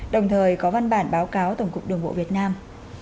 đồng thời có văn bản báo cáo tổng cục đường bộ việt nam